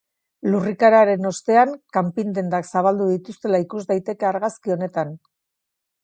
Lurrikararen ostean kanpin-dendak zabaldu dituztela ikus daiteke argazki honetan.